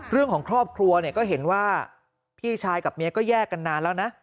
เรื่องของครอบครัวเนี่ยก็เห็นว่าพี่ชายกับเมียก็แยกกันนานแล้วนะ